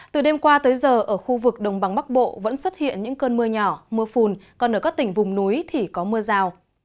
từ đêm qua tới giờ ở khu vực đồng bằng bắc bộ vẫn xuất hiện những cơn mưa nhỏ mưa phùn còn ở các tỉnh vùng núi thì có mưa rào